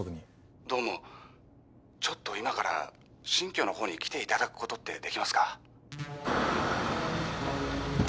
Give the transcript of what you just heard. どうもちょっと今から新居のほうに来ていただくことってできますか？